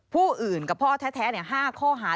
ผู้อื่นกับพ่อแท้๕ข้อหา